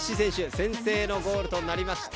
先制のゴールとなりました。